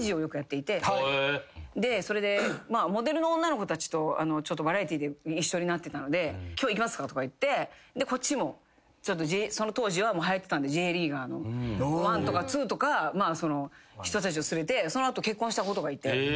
それでモデルの女の子たちとバラエティーで一緒になってたので今日行きますか？とか言ってこっちもその当時ははやってたんでＪリーガーの１とか２とか人たちを連れてその後結婚した子とかいて。